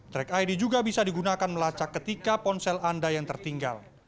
track id juga bisa digunakan melacak ketika ponsel anda yang tertinggal